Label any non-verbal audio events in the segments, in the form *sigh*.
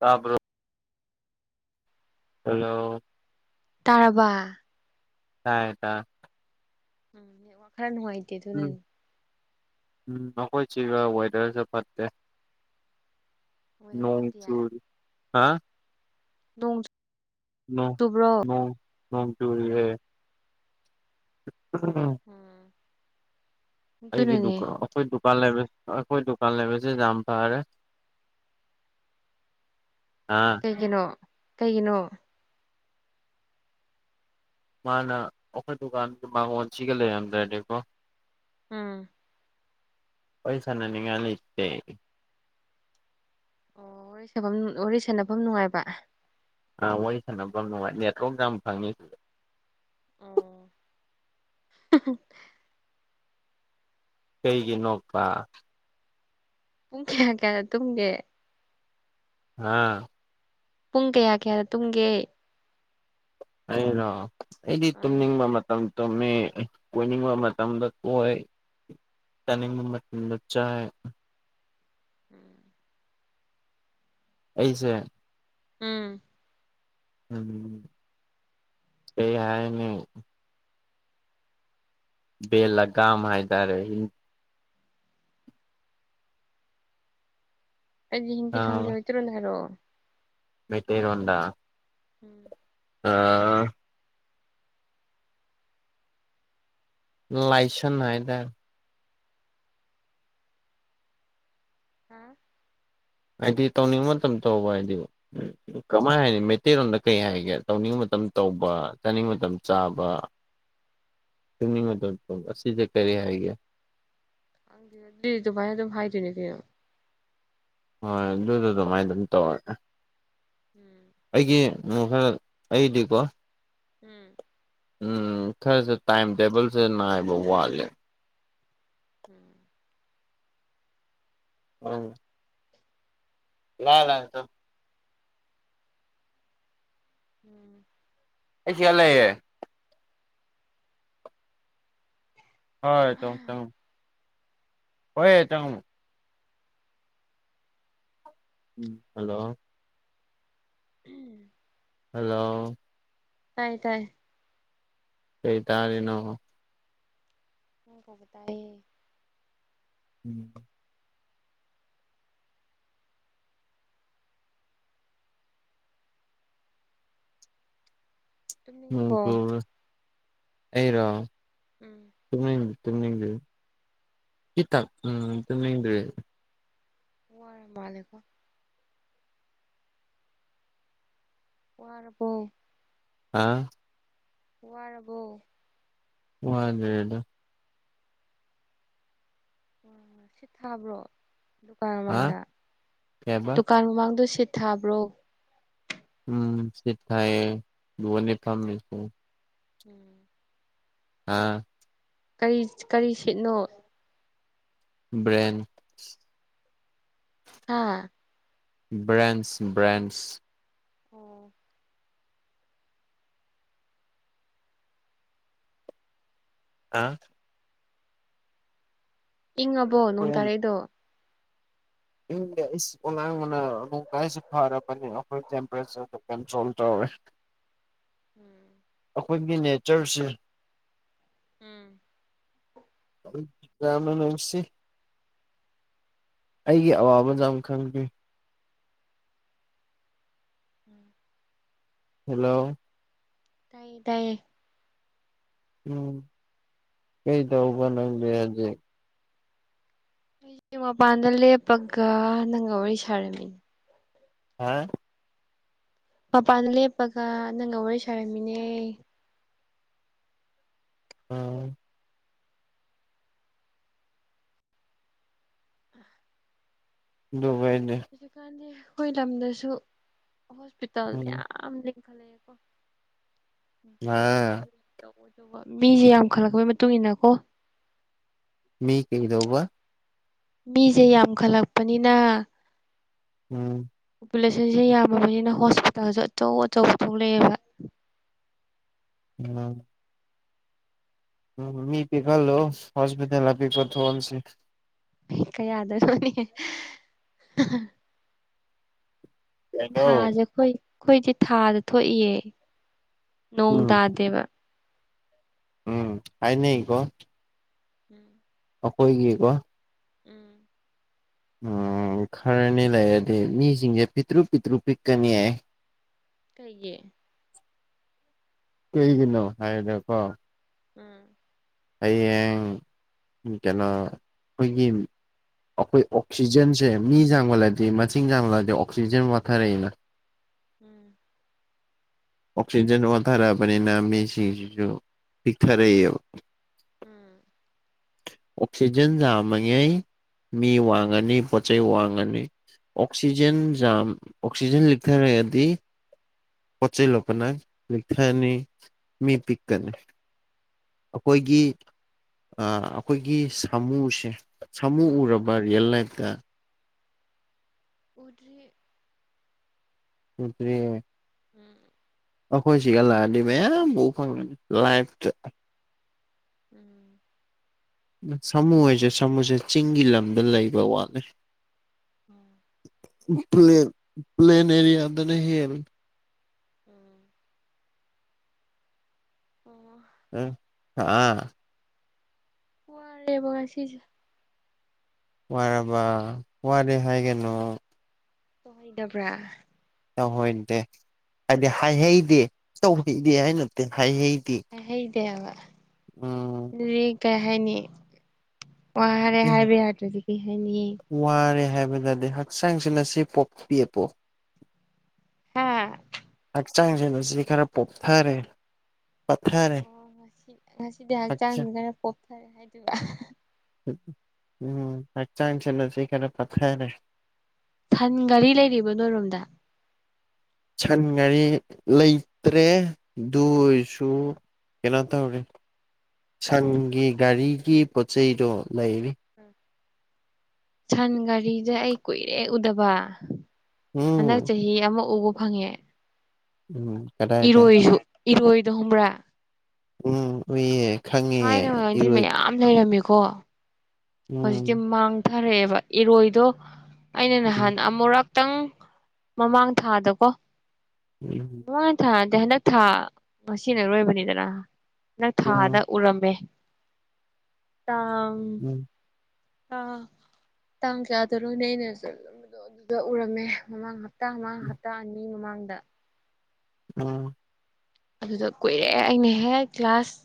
ꯇꯥꯕ꯭ꯔꯣ ꯍꯜꯂꯣ ꯇꯥꯔꯕ ꯇꯥꯔ‌ꯦ ꯇꯔ‌ꯦ ꯎꯝ ꯅ‌ꯦꯠꯋꯔꯥꯛ ꯈꯔꯥ ꯅꯨꯉꯥꯏ ꯎꯝ ꯎꯝ ꯑꯈꯣꯏ ꯆꯤꯒ ꯋꯦꯗꯔꯁꯦ ꯐꯠꯇꯦ ꯋꯦꯗꯔ ꯐꯠꯇꯤꯌꯦ ꯅꯣꯡꯆꯨꯔ ꯍꯥ ꯅꯣꯡ ꯅꯣꯡ ꯆꯨꯕ꯭ꯔꯣ ꯅꯣꯡ ꯅꯣꯡꯆꯨꯔꯤ ꯑꯦ *unintelligible* ꯎꯝ ꯑꯩꯒꯤ ꯑꯗꯨꯅꯅꯦ ꯗꯨꯀꯥ ꯑꯩꯈꯣꯏ ꯗꯨꯀꯥꯟ ꯂꯩꯕ ꯑꯩꯈꯣꯏ ꯗꯨꯀꯥꯟ ꯂꯩꯕꯁꯦ ꯌꯥꯝ ꯐꯔꯦ ꯑꯥ ꯀꯩꯒꯤꯅꯣ ꯀꯩꯒꯤꯅꯣ ꯃꯥꯅ ꯑꯩꯈꯣꯏ ꯗꯨꯀꯥꯟ ꯗꯨꯀꯥꯟ ꯃꯥꯡ *unintelligible* ꯉꯣꯟꯁꯤꯒ ꯂꯩꯔꯝꯗ꯭ꯔꯗꯤꯀꯣ ꯎꯝ ꯋꯥꯔꯤ ꯁꯥꯅꯅꯤꯡꯉꯥꯏ ꯂꯩꯇꯦ ꯑꯣ ꯋꯥꯔꯤ ꯁꯐꯝ ꯋꯥꯔꯤ ꯁꯥꯟꯅꯐꯝ ꯅꯨꯡꯉꯥꯏꯕ ꯑꯥ ꯋꯥꯔꯤ ꯁꯥꯟꯅꯕꯝ ꯅꯨꯡꯉꯥꯏ ꯅꯦ ꯗꯣꯝ *unintelligible* ꯌꯥꯝ ꯐꯪꯏ ꯎꯝ ꯀꯩꯒꯤ ꯅꯣꯛꯄ ꯄꯨꯡ ꯀꯌꯥ ꯀꯌꯥꯗ ꯇꯨꯝꯒꯦ ꯑꯥ ꯄꯨꯡ ꯀꯌꯥ ꯀꯌꯥꯗ ꯇꯨꯝꯒꯦ ꯑꯩꯔꯣ ꯑꯩꯗꯤ ꯑꯥ ꯇꯨꯝꯅꯤꯡꯕ ꯃꯇꯝ ꯇꯨꯝꯃꯦ ꯀꯣꯏꯅꯤꯡꯕ ꯃꯇꯝꯗ ꯀꯣꯏ ꯆꯥꯅꯤꯡꯕ ꯃꯇꯝꯗ ꯆꯥꯏ ꯎꯝ ꯑꯩꯁꯦ ꯎꯝ ꯎꯝ ꯀꯩꯍꯥꯏꯅꯤ ꯚꯦꯜ ꯂꯒꯥꯝ ꯍꯥꯏꯇꯔꯦ ꯑꯩꯗꯤ ꯑ ꯍꯤꯟꯗꯤ ꯈꯪꯗꯦ ꯃꯩꯇꯩꯂꯣꯟꯗ ꯍꯥꯏꯔꯣꯑꯣ ꯃꯩꯇꯩꯔꯣꯟꯗ ꯎꯝ ꯑꯥ ꯂꯥꯏꯁꯟ ꯍꯥꯏꯗꯥꯏ ꯍꯥꯥ ꯍꯥꯏꯗꯤ ꯇꯧꯅꯤꯡꯕ ꯃꯇꯝꯗ ꯇꯧꯕ ꯍꯥꯏꯗꯤꯀꫭ ꯀꯃꯥꯏ ꯍꯥꯏꯅꯤ ꯃꯩꯇꯩꯔꯣꯟꯗ ꯀꯩ ꯍꯥꯏꯒꯦ ꯇꯧꯅꯤꯡꯕ ꯃꯇꯝ ꯇꯧꯕ ꯆꯥꯅꯤꯡꯕ ꯃꯇꯝ ꯆꯥꯕ ꯇꯨꯝꯅꯤꯡ ꯃꯇꯝ ꯇꯨꯝꯕ ꯑꯁꯤꯖ‌ꯦ ꯀꯔꯤ ꯍꯥꯏꯒ‌ꯦ *unintelligible* ꯗꯤ ꯑꯗꯨꯃꯥꯏꯗꯨꯝ ꯍꯥꯏꯗꯣꯏꯅꯤ ꯀꯩꯅꫭ ꯍꯣꯏ ꯑꯗꯨꯗꯣ ꯑꯗꯨꯃꯥꯏꯅ ꯑꯗꯨꯝ ꯇꯧꯔꯒꯦ ꯎꯝ ꯑꯩꯒꯤ ꯈꯔ *unintelligible* ꯑꯩꯗꯤ ꯀꯣ ꯎꯝ ꯎꯝ ꯈꯔꯖꯨ ꯇꯥꯏꯝ ꯇꯦꯕꯜꯖꯦ ꯅꯥꯏꯕ ꯋꯥꯠꯂꯦ ꯎꯝ ꯑꯪ ꯂꯥ *unintelligible* ꯎꯝ ꯑꯩꯁꯤꯗ ꯂꯩꯌꯦ ꯍꯣꯏ ꯇꯧ ꯇꯧ ꯍꯣꯏꯍꯦ ꯇꯝꯃꯨ ꯎꯝ ꯍꯜꯂꯣ ꯎꯝ ꯍꯜꯂꯣ ꯇꯥꯏ ꯇꯥꯏ ꯀꯩ ꯇꯥꯔꯤꯅꯣ ꯅꯪꯪ ꯀꯧꯕ ꯇꯥꯏꯌꯦ ꯎꯝ ꯅꯣꯡ ꯇꯨꯝꯅꯤꯡꯉꯕꯣ ꯆꯨꯕ꯭ꯔꯥ ꯑꯩꯔꯣ ꯎꯝ ꯇꯨꯝꯅꯤꯡ ꯇꯨꯝꯅꯤꯡꯗꯦ ꯈꯤꯇꯪ ꯎꯝ ꯑꯣ ꯇꯨꯝꯅꯤꯡꯗ꯭ꯔꯦ ꯋꯥꯔ ꯃꯥꯜꯂꯦꯀꯣ ꯋꯥꯔꯕꯣ ꯑꯥ ꯋꯥꯔꯕꯣ ꯋꯥꯗꯦꯗ ꯎꯝ ꯁꯤꯠ ꯊꯥꯕ꯭ꯔꯣ ꯗꯨꯀꯥꯟ ꯍꯥ ꯃꯃꯥꯡꯗ ꯀꯩꯕ ꯗꯨꯀꯥꯟ ꯃꯃꯥꯡꯗꯣ ꯁꯤꯠ ꯊꯥꯕ꯭ꯔꯣ ꯎꯝ ꯁꯤꯠ ꯊꯥꯏꯌꯦ *unintelligible* ꯐꯝꯃꯤꯁꯦ ꯎꯝ ꯑꯥ ꯀꯔꯤ ꯀꯔꯤ ꯁꯤꯠꯅꯣ ꯕ꯭ꯔꯦꯟ ꯍꯥ ꯕ꯭ꯔꯦꯟꯁ ꯕ꯭ꯔꯦꯟꯁ ꯑꯣ ꯑꯥ ꯏꯪꯉꯕꯣ ꯅꯣꯡ ꯇꯥꯔꯛꯏꯗꯣ ꯏꯪꯗꯦ ꯏꯁ ꯑꯣꯂꯥꯡꯕꯅ ꯅꯣꯡ ꯇꯥꯔꯛꯏꯁꯦ ꯐꯔꯕꯅꯤ ꯑꯈꯣꯏ ꯇꯦꯝꯄꯔꯦꯆ꯭ꯔꯗ ꯀꯟꯇ꯭ꯔꯣꯜ ꯇꯧꯔꯦ ꯥꯥ *inaudible* ꯎꯝ ꯑꯈꯣꯏꯒꯤ ꯅꯦꯆ꯭ꯔꯁꯦ ꯎꯝ ꯑꯗꯨꯝ ꯌꯥꯝꯅ ꯅꯨꯡꯁꯤ ꯑꯩꯒꯤ ꯑꯋꯥꯕ ꯎꯝ ꯌꯥꯝ ꯈꯪꯕꯤ ꯎꯝ ꯍꯦꯜꯂꯣ ꯇꯥꯏꯌꯦ ꯇꯥꯏꯌꯦ ꯎꯝ ꯀꯩ ꯗꯧꯕ ꯅꯪꯗꯤ ꯍꯧꯖꯤꯛ ꯑꯩ ꯃꯄꯥꯟꯗ ꯂꯦꯞꯄꯒ ꯅꯪꯒ ꯋꯥꯔꯤ ꯁꯥꯔꯝꯃꯤ ꯍꯥ ꯃꯄꯥꯟ ꯂꯦꯞꯄꯒ ꯅꯪꯒ ꯋꯥꯔꯤ ꯁꯥꯔꯝꯃꯤꯅꯦ ꯑꯥ ꯗꯨꯕꯥꯩꯅꯦ ꯍꯧꯖꯤꯛ ꯀꯥꯟꯗꯤ ꯈꯣꯏ ꯂꯝꯗꯁꯨ ꯍꯣꯁꯄꯤꯇꯥꯜ ꯎꯝ ꯃ꯭ꯌꯥꯝ ꯂꯤꯡ ꯏꯪ ꯈꯜꯂꯛꯑꯦꯀꯣ ꯍꯥ ꯌꯨꯝ ꯑꯗꯨꯒ ꯃꯤꯁꯦ ꯌꯥꯝꯈꯠꯂꯛꯄꯒꯤ ꯃꯇꯨꯡ ꯏꯟꯅ ꯀꯣ ꯃꯤ ꯀꯩꯗꯧꯕ ꯃꯤꯖꯦ ꯌꯥꯝꯈꯠꯂꯛꯄꯅꯤꯅ ꯎꯝ ꯄꯣꯄꯨꯂꯦꯁꯟꯁꯦ ꯌꯥꯝꯃꯕꯅꯤꯅ ꯍꯣꯁꯄꯤꯇꯥꯜꯁꯨ ꯑꯆꯧ ꯑꯆꯧꯕ ꯊꯣꯛꯂꯛꯑꯦꯕ *unintelligible* ꯎꯝ ꯃꯤ ꯄꯤꯛꯍꯜꯂꯣ ꯍꯣꯁꯄꯤꯇꯜ ꯑꯄꯤꯛꯄ ꯊꯣꯛꯍꯟꯁꯤ ꯀꯌꯥꯗꯅꯣꯅꯦ *unintelligible* ꯀꯩꯅꯣ ꯊꯥꯖꯦ ꯈꯣꯏ ꯈꯣꯏꯗꯤ ꯊꯥꯖꯦ ꯊꯣꯛꯏꯌꯦ ꯅꯣꯡ ꯎꯝ ꯇꯥꯗꯦꯕ ꯎꯝ ꯍꯥꯏꯅꯩꯀꯣ ꯎꯝ ꯑꯈꯣꯏꯒꯤꯀꯣ ꯎꯝ ꯎꯝ ꯈꯔꯅꯤ ꯂꯩꯔꯗꯤ ꯃꯤꯁꯤꯡꯁꯦ ꯄꯤꯠꯇ꯭ꯔꯨ ꯄꯤꯠꯇ꯭ꯔꯨ ꯄꯤꯛꯀꯅꯤꯌꯦ ꯀꯩꯒꯤ ꯀꯩꯒꯤꯅꯣ ꯍꯥꯏꯔꯒꯀꯣ ꯎꯝ ꯍꯌꯦꯡ ꯎꯝ ꯀꯩꯅꯣ ꯑꯈꯣꯏꯒꯤ ꯑꯈꯣꯏ ꯑꯣ ꯑꯣꯛꯁꯤꯖꯦꯟꯖꯦ ꯃꯤ ꯌꯥꯝꯈꯠꯂꯗꯤ ꯎꯝ ꯃꯆꯤꯡ ꯌꯥꯡꯂ ꯑꯗꯤ ꯑꯣꯛꯁꯤꯖꯦꯟ ꯋꯥꯠꯊꯔꯛꯏꯅ ꯎꯝ ꯑꯣꯛꯁꯤꯖꯦꯟ ꯋꯥꯠꯊꯔꯛꯑꯕꯅꯤꯅ ꯃꯤꯁꯤꯡꯖꯤꯖꯨ ꯄꯤꯛꯊꯔꯑꯦꯕ ꯎꯝ ꯑꯣꯛꯁꯤꯖꯦꯟ ꯌꯥꯝꯃꯉꯩ ꯃꯤ ꯋꯥꯡꯉꯅꯤ ꯄꯣꯠꯆꯩ ꯋꯥꯡꯉꯅꯤ ꯑꯣꯛꯁꯤꯖꯦꯟ ꯖꯥꯝ ꯑꯣꯛꯁꯤꯖꯦꯟ ꯂꯤꯛꯊꯔꯛꯑꯗꯤ ꯆꯩ ꯂꯣꯛꯄꯅ ꯂꯦꯛꯊꯅꯤ ꯃꯤ ꯄꯤꯛꯀꯅꯤ ꯑꯈꯣꯏꯒꯤ ꯑꯥ ꯑꯈꯣꯏꯒꯤ ꯁꯥꯃꯨꯁꯦ ꯁꯥꯃꯨ ꯎꯝ ꯎꯔꯕ ꯔ꯭ꯌꯦꯜ ꯂꯥꯏꯐꯇ ꯎꯗ꯭ꯔꯤ ꯎꯗ꯭ꯔꯤꯌꯦ ꯎꯝ ꯑꯈꯣꯏ ꯁꯤꯒ ꯂꯥꯛꯑꯗꯤ ꯃꯌꯥꯝ ꯎ ꯐꯪꯒꯅꯤ ꯂꯥꯏꯐꯇ ꯎꯝ ꯁꯥꯃꯨ ꯍꯥꯏꯁꯦ ꯁꯥꯃꯨꯁꯦ ꯆꯤꯡꯒꯤ ꯂꯝꯗ ꯂꯩꯕ ꯋꯥꯠꯂꯦ ꯎꯝ ꯄ꯭ꯂꯦꯟ ꯄ꯭ꯂꯦꯟ ꯑꯦꯔꯤꯌꯥꯗꯅ ꯍꯦꯜꯂꯦ ꯎꯝ ꯑꯣ ꯑꯦ ꯑꯥ ꯋꯥꯔꯦꯕ ꯉꯁꯤꯁꯦ ꯋꯥꯔꯕꯥ ꯋꯥꯔꯦ ꯍꯥꯏꯒꯅꯣ ꯇꯧꯍꯩꯗꯕ꯭ꯔꯥ ꯇꯧꯍꯩꯗꯦ ꯍꯥꯏꯗꯤ ꯍꯥꯏꯍꯩꯗꯦ ꯇꯧꯍꯩꯗꯦ ꯍꯥꯏ ꯅꯠꯇꯦ ꯍꯥꯏꯍꯩꯗꯦ ꯍꯥꯏꯍꯩꯗꯦ ꯍꯥꯏꯕ ꯎꯝ ꯔꯤ ꯀꯩ ꯍꯥꯏꯅꯤ ꯋꯥꯔꯦ ꯍꯥꯏꯕ ꯌꯥꯗ꯭ꯔꯗꯤ ꯀꯩ ꯍꯥꯏꯅꯤ ꯋꯥꯔꯦ ꯍꯥꯏꯕꯗꯗꯤ ꯍꯛꯆꯥꯡꯁꯤꯅ ꯆꯦ ꯄꯣꯛꯄꯤ ꯑꯄꫭ ꯍꯥꯥ ꯍꯛꯆꯥꯡꯁꯦ ꯅꯆꯦ ꯈ꯭ꯔ ꯄꯣꯞꯊꯔꯦ ꯄꯠꯊꯔꯦ ꯑꯣ ꯉꯁꯤ ꯉꯁꯤꯗꯤ ꯍꯛꯆꯥꯡꯁꯦ ꯍꯛꯆꯥꯡ ꯈꯔ ꯄꯣꯞꯊꯔꯦ ꯍꯥꯏꯗꯣꯏꯕ ꯎꯝ ꯍꯛꯆꯥꯡꯁꯦ ꯅꯆꯦ ꯈꯔ ꯄꯠꯊꯔꯦ ꯁꯟ ꯒꯥꯔꯤ ꯂꯩꯔꯤꯕ ꯅꯣꯏꯔꯣꯝꯗ ꯁꯟ ꯒꯥꯔꯤ ꯂꯩꯇ꯭ꯔꯦ ꯑꯗꯨ ꯑꯣꯏꯁꯨ ꯀꯩꯅꯣ ꯇꯧꯔꯦ ꯁꯟꯒꯤ ꯒꯥꯔꯤꯒꯤ ꯄꯣꯠ ꯆꯩꯗꯣ ꯂꯩꯔꯤ ꯁꯟ ꯒꯥꯔꯤꯖꯦ ꯑꯩ ꯀꯨꯏꯔꯦ ꯎꯗꯕ ꯍꯟꯗꯛ ꯎꯝ ꯆꯍꯤ ꯑꯃ ꯎꯕ ꯐꯪꯉꯦ ꯎꯝ ꯀꯗꯥꯏꯗ ꯏꯔꯣꯏꯁꯨ ꯏꯔꯣꯏꯗꫭ ꯈꯪꯕ꯭ꯔꯥ ꯎꯝ ꯎꯏꯌꯦ ꯈꯪꯉꯦ ꯊꯥꯏꯅꯉꯩꯗꯤ ꯏꯔꯣꯏ ꯃꯌꯥꯝ ꯂꯩꯔꯝꯃꯦꯀꯣ ꯎꯝ ꯍꯧꯖꯤꯛꯇꯤ ꯃꯥꯡꯊꯔꯛꯑꯦꯕ ꯏꯔꯣꯏꯗꯣ ꯑꯩꯅ ꯎꯝ ꯅꯍꯥꯟ ꯑꯃꯨꯔꯛ ꯇꯪ ꯃꯃꯥꯡ ꯊꯥꯗꯀꯣ ꯎꯝ ꯃꯃꯥꯡ ꯊꯥ ꯅꯠꯇꯦ ꯍꯟꯗꯛ ꯊꯥ ꯉꯁꯤꯅ ꯑꯔꫭꯏꯕꯅꯤꯗꯅ ꯍꯟꯗꯛ ꯎꯝ ꯊꯥꯗ ꯎꯔꯝꯃꯦ ꯇꯥꯡ ꯎꯝ ꯑꯥ ꯇꯥꯡ ꯀꯌꯥꯥꯗꯅꫭꯅꯦ ꯑꯩꯅ ꯆꯠꯂꯝꯕꯗꯣ ꯑꯗꯨꯗ ꯎꯔꯝꯃꯦ ꯃꯃꯥꯡ ꯍꯞ ꯍꯞꯇꯥ ꯑꯃ ꯍꯞꯇꯥ ꯑꯅꯤ ꯃꯃꯥꯡꯗ ꯎꯝ ꯑꯗꯨꯗ ꯀꯨꯏꯔꯦ ꯑꯩꯅ ꯍꯦꯛ ꯀ꯭ꯂꯥꯁ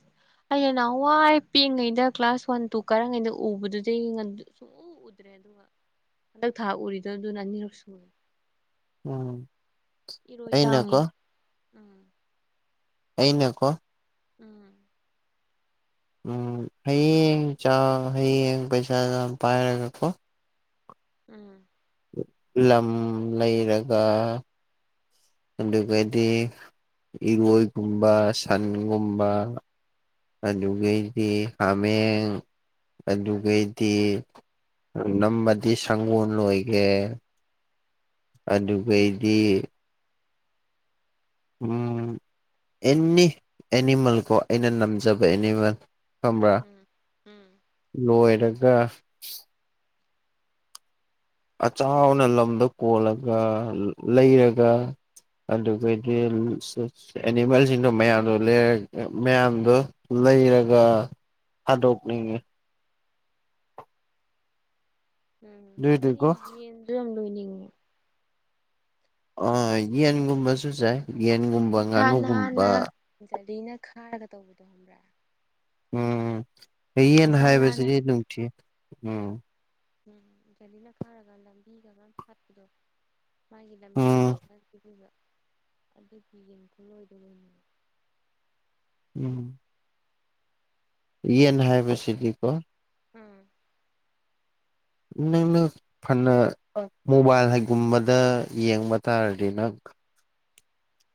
ꯑꯩ ꯅꯍꯥꯟꯋꯥꯏ ꯄꯤꯛꯏꯉꯩꯗ ꯀ꯭ꯂꯥꯁ ꯋꯥꯟ ꯇꯨ ꯀꯥꯔꯤꯉꯩꯗ ꯎꯕꯗꯨꯗꯩ ꯉꯟ ꯁꯨꯡꯎ ꯎꯗ꯭ꯔꯦ ꯑꯗꯨꯒ ꯍꯟꯗꯛ ꯊꯥ ꯎꯔꯤꯗꯣ ꯑꯗꯨꯅ ꯑꯅꯤꯔꯛ ꯁꯨꯔꯦ ꯎꯝ ꯏꯔꯣꯏ ꯑꯩꯅ ꯀꯣ ꯇꯥꯡꯉꯤ ꯎꯝ ꯑꯩꯅ ꯀꯣ ꯎꯝ ꯎꯝ ꯍꯌꯦꯡ ꯆ ꯍꯌꯦꯡ ꯄꯩꯁꯥ ꯖꯥꯝ ꯄꯥꯏꯔꯒ ꯀꯣ ꯎꯝ ꯂꯝ ꯂꯩꯔꯒ ꯑꯗꯨꯒꯗꯤ ꯏꯔꯣꯏꯒꯨꯝꯕ ꯁꯟꯒꯨꯝꯕ ꯑꯗꯨꯒꯩꯗꯤ ꯍꯥꯃꯦꯡ ꯑꯗꯨꯒꯩꯗꯤ ꯅꯝꯃꯗꯤ ꯁꯪꯒꯣꯟ ꯂꯣꯏꯒꯦ ꯑꯗꯨꯒꯩꯗꯤ ꯎꯝ ꯑꯦꯟꯅꯤ ꯑꯦꯅꯤꯃꯜ ꯀꯣ ꯑꯩꯅ ꯅꯝꯖꯕ ꯑꯦꯅꯤꯃꯦꯜ ꯈꯝꯕ꯭ꯔꯥ ꯎꯝ ꯎꯝ ꯂꯣꯏꯔꯒ ꯑꯆꯥꯎꯅ ꯂꯝꯗꫭ ꯀꯣꯜꯂꯒ ꯂꯩꯔꯒ ꯑꯗꯨꯒꯗꯤ ꯑꯦꯅꯤꯃꯦꯜꯖꯤꯡꯗꯣ ꯃꯌꯥꯝꯗꯣ ꯂꯩꯔ ꯃꯌꯥꯝꯗꯣ ꯂꯩꯔꯒ ꯍꯥꯥꯗꯣꯛꯅꯤꯡꯑꯦ ꯎꯝ ꯑꯩꯗꯤ ꯑꯗꯨꯏꯗꯤꯀꯣ ꯌꯦꯟꯖꯨ ꯌꯥꯝ ꯂꯣꯏꯅꯤꯡꯉꯦ ꯑ ꯌꯦꯟꯒꯨꯝꯕꯁꯨ ꯖꯥꯏ ꯌꯦꯟꯒꯨꯝꯕ ꯉꯥꯅꯨꯒꯨꯝꯕ ꯖꯥꯂꯤꯅ ꯈꯥꯔꯒ ꯇꯧꯕꯗꯣ ꯍꯪꯕ꯭ꯔꯥ ꯎꯝ ꯍꯌꯦꯟ ꯃꯁꯥ ꯅꯥꯟꯅ ꯍꯥꯏꯕꯁꯤꯗꯤ ꯅꯨꯡꯊꯤ ꯎꯝ *inaudible* ꯃꯥꯒꯤ ꯂꯝꯕꯤ ꯋꯦ ꯎꯝ ꯈ꯭ꯔ ꯄꯤꯕꯤꯕ ꯑꯗꯨꯒꯤ ꯌꯦꯡ ꯈꯨꯂꯣꯏꯗꫭ ꯂꫭꯏꯅꯤꯡꯑꯦ ꯎꯝ ꯌꯦꯟ ꯍꯥꯏꯕꯁꯤꯗꯤꯀꯣ ꯎꯝ ꯅꯪꯅ ꯐꯅ ꯃꯣꯕꯥꯏꯜ ꯍꯥꯏꯩꯒꯨꯝꯕꯗ ꯌꯦꯡꯕ ꯇꯥꯔꯗꯤ ꯅꯪ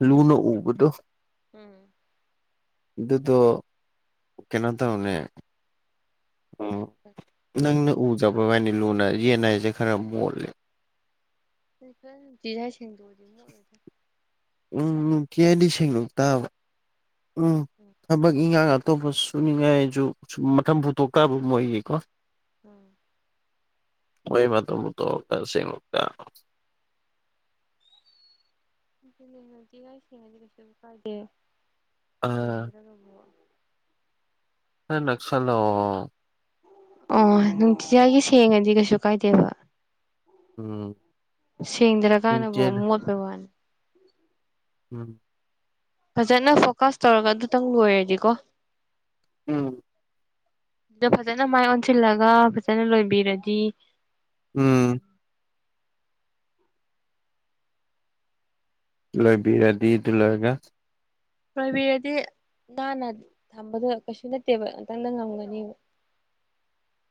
ꯂꯨꯅꯎꯕꯗꯣ ꯎꯝ ꯗꯨꯗꯣ ꯀꯦꯅꯣꯇꯧꯅꯦ ꯎꯝ ꯅꯪꯅ ꯎꯖꯕꯋꯥꯏꯅꯤ ꯂꯨꯅ ꯌꯦꯟ ꯍꯥꯏꯖꯦ ꯈꯔ ꯃꯣꯠꯂꯦ *unintelligible* ꯎꯝ ꯀꯦꯗꯤ ꯁꯦꯡꯉꯝ ꯇꯥꯕ ꯎꯝ ꯊꯕꯛ ꯏꯪꯉꯥꯡ ꯑꯇꯣꯞꯄ ꯁꯨꯅꯤꯡꯉꯥꯏꯖꯨ ꯁꯝ ꯃꯊꯪ ꯄꯨꯊꯣꯛꯇꯕ ꯃꯣꯏꯒꯤꯀꯣ ꯎꯝ ꯋꯦꯃꯇꯨꯝꯇꯣ *unintelligible* ꯑ *unintelligible* ꯅꯛꯁꯟꯅꯧꯋꯣ ꯑꯣ ꯅꯨꯡꯇꯤꯖꯒꯤ ꯁꯦꯡꯉꯗꯤ ꯀꯩꯁꯨ ꯀꯥꯏꯗꯦꯕ ꯎꯝ ꯅꯨꯡꯇꯤ ꯁꯦꯡꯗ꯭ꯔꯀꯥꯟꯗꯕꯨ ꯃꯣꯠꯄꯩ ꯋꯥꯅꯤ ꯎꯝ ꯐꯖꯅ ꯐꯣꯀꯥꯁ ꯇꯧꯔꯒ ꯑꯗꯨꯇꯪ ꯂꯣꯏꯔꯗꯤꯀꯣ ꯎꯝ ꯗꯨꯗ ꯐꯖꯅ ꯃꯥꯏ ꯑꯣꯟꯁꯤꯟꯂꯒ ꯐꯖꯅ ꯂꯣꯏꯕꯤꯔꯗꯤ ꯎꯝ ꯂꯣꯏꯕꯤꯔꯗꯤ ꯑꯗꯨ ꯂꯣꯏꯔꯒ ꯈꯣꯏꯕꯤꯔꯗꯤ ꯅꯥꯟꯅ ꯊꯝꯕꯗꯣ ꯀꯩꯁꯨ ꯅꯠꯇꯦꯕ ꯉꯇꯪꯗ ꯉꯝꯒꯅꯤꯕ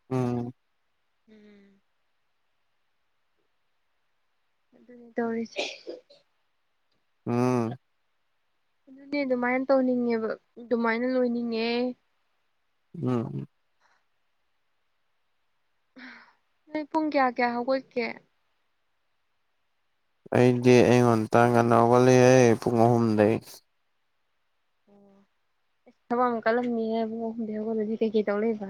ꯎꯝ ꯎꯝ ꯑꯗꯨꯅꯤ ꯇꯧꯔꯤꯖꯦ ꯎꯝ ꯑꯗꯨꯅꯦ ꯑꯗꯨꯃꯥꯏ ꯇꯧꯅꯤꯡꯉꯦꯕ ꯑꯗꯨꯃꯥꯏꯅ ꯂꯣꯏꯅꯤꯡꯉꯦ ꯎꯝ ꯅꯣꯏ ꯄꯨꯡ ꯀꯌꯥ ꯀꯌꯥ ꯍꯧꯒꯠꯀꯦ ꯑꯩꯗꯤ ꯑꯌꯨꯛ ꯉꯟꯇ ꯉꯥꯟꯅ ꯍꯧꯒꯠꯂꯤꯍꯦ ꯄꯨꯡ ꯑꯍꯨꯝꯗꯒꯤꯩ ꯑꯣ ꯊꯕꯛꯑꯝ ꯀꯜꯂꯝꯅꯤꯍꯦ ꯄꯨꯡ ꯑꯍꯨꯝꯗꯩ ꯍꯧꯒꯠꯂꯗꯤ ꯀꯩꯀꯩ ꯇꯧ ꯂꯩꯕ꯭ꯥ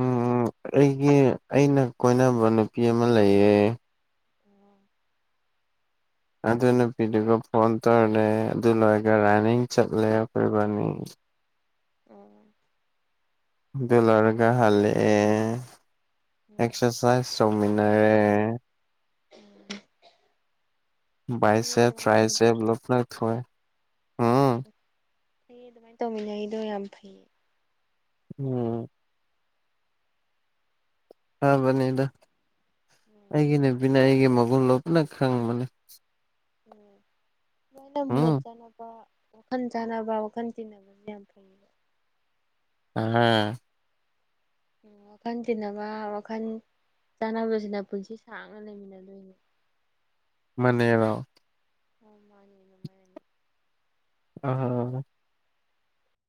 ꯎꯝ ꯑꯩꯒꯤ ꯑꯩꯅ ꯀꯣꯏꯅꯕ ꯅꯨꯄꯤ ꯑꯃ ꯂꯩꯌꯦ ꯑꯗꯨ ꯅꯨꯄꯤꯗꯨꯒ ꯐꯣꯟ ꯇꯧꯔꯅꯦ ꯑꯗꯨ ꯂꯣꯏꯔꯒ ꯔꯥꯅꯤꯡ ꯆꯠꯂꯦ ꯈꯣꯏꯕꯥꯅꯤ ꯑꯣ ꯑꯣ ꯑꯗꯨ ꯂꯣꯏꯔꯒ ꯍꯜꯂꯛꯑꯦ ꯑꯦꯛꯁꯔꯁꯥꯏꯁ ꯇꯧꯃꯤꯟꯅꯔꯦ *inaudible* ꯐꯩꯌꯦ ꯕꯥꯏꯌꯥꯁꯦꯕ ꯑꯗꯨꯃꯥꯏꯅ ꯇꯧꯕ ꯇ꯭ꯔꯥꯏꯁꯦꯕ ꯂꯨꯛꯅ ꯊꯣꯏ ꯐꯩꯌꯦ ꯑꯗꯨꯃꯥꯏꯅ ꯇꯧꯃꯤꯟꯅꯩꯗꯣ ꯌꯥꯝ ꯐꯩꯌꯦ ꯎꯝ ꯐꯕꯅꯤꯗ ꯎꯝ ꯑꯩꯒꯤ ꯅꯨꯄꯤꯅ ꯑꯩꯒꯤ ꯃꯒꯨꯟ ꯂꯨꯞꯅ ꯈꯪꯕꯅꯦ ꯎꯝ ꯁꯨꯃꯥꯏꯅ ꯃꯣꯠ ꯎꯝ ꯆꯥꯅꯕ ꯈꯟ ꯆꯥꯟꯅꯕ ꯋꯥꯈꯟ ꯇꯤꯟꯅꯕ ꯌꯥꯝ ꯐꯩꯌꯦ ꯑꯥ ꯎꯝ ꯋꯥꯈꯜ ꯇꯤꯟꯅꯕ ꯋꯥꯈꯜ ꯆꯥꯅꯕꯁꯤꯅ ꯄꯨꯟꯁꯤ ꯁꯥꯡꯅ ꯂꯩꯃꯤꯟꯅꯗꯣꯏꯅꯦ ꯃꯅꯦꯔꯣ ꯑꯥꯎ ꯃꯥꯅꯦ *unintelligible* ꯑꯥꯍꯥ